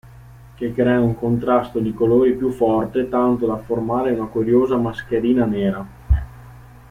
Che crea un contrasto di colori più forte tanto da formare una curiosa mascherina nera.